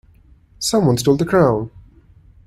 Someone stole the crown!